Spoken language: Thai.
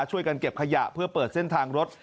ช่วยกันเก็บขยะเพื่อเปิดเส้นทางรถ